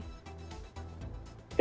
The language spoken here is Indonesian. ya lebih selektif